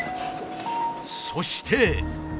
そして。